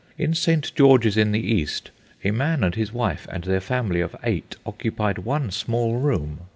In St. Georges in the East a man and his wife and their family of eight occupied one small room.